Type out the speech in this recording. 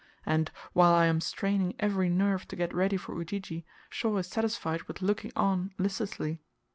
And, while I am straining every nerve to get ready for Ujiji, Shaw is satisfied with looking on listlessly.